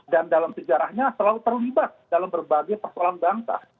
dan dalam sejarahnya selalu terlibat dalam berbagai persoalan bangsa